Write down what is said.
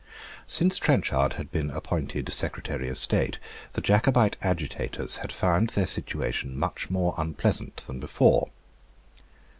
Since Trenchard had been appointed Secretary of State, the Jacobite agitators had found their situation much more unpleasant than before.